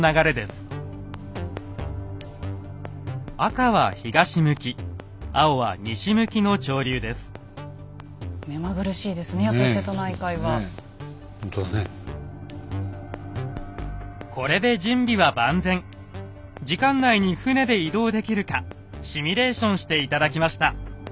時間内に船で移動できるかシミュレーションして頂きました。